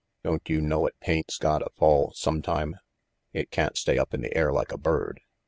Don't you know 'at paint's gotta fall some time? It can't stay up in the air like a bird.